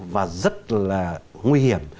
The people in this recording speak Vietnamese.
và rất là nguy hiểm